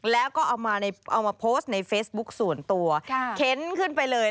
แล้วก็เอามาโพสต์ในเฟซบุ๊คส่วนตัวเข็นขึ้นไปเลย